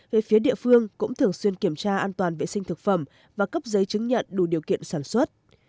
về phía địa phương cũng thường xuyên kiểm tra an toàn vệ sinh thực phẩm và cấp giấy chứng nhận đủ điều kiện sản xuất